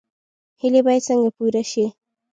هیلې باید څنګه پوره شي؟